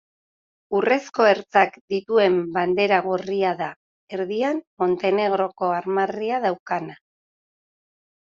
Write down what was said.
Urrezko ertzak dituen bandera gorria da, erdian Montenegroko armarria daukana.